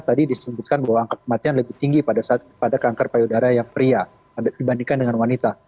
tadi disebutkan bahwa angka kematian lebih tinggi pada saat pada kanker payudara yang pria dibandingkan dengan wanita